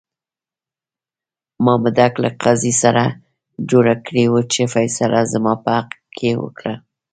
مامدک له قاضي سره جوړه کړې وه چې فیصله زما په حق کې وکړه.